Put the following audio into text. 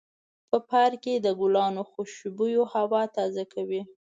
په پارک کې د ګلانو خوشبو هوا تازه کوي.